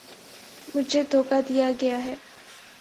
مجھے دھوکا دیا گیا ہے